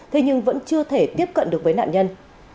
thế nhưng vẫn chưa thể tiếp cận được với nạn nhân